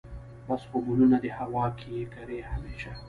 بس خو ګلونه دي هوا کې یې کرې همیشه